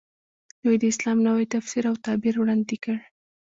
دوی د اسلام نوی تفسیر او تعبیر وړاندې کړ.